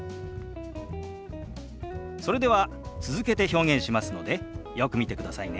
それでは続けて表現しますのでよく見てくださいね。